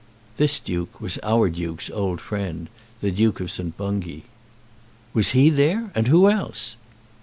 This duke was our duke's old friend, the Duke of St. Bungay. "Was he there? And who else?"